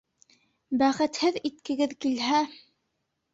Бәхетһеҙ иткегеҙ килһә.